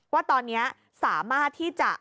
ว่าตอนนี้สามารถที่จะ